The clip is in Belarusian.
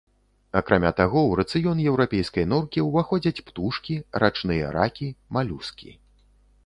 Акрамя таго, у рацыён еўрапейскай норкі ўваходзяць птушкі, рачныя ракі, малюскі.